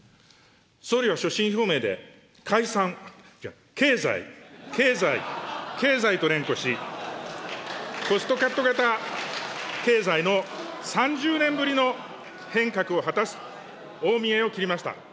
総理は所信表明で、解散、経済、経済、経済と連呼し、コストカット型経済の３０年ぶりの変革を果たすと、大見得を切りました。